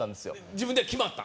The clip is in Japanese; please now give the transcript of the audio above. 自分では決まった？